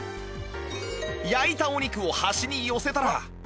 焼いたお肉を端に寄せたら